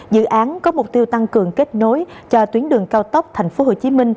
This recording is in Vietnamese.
dự án có mục tiêu tăng cường kết nối cho tuyến đường cao tốc tp hcm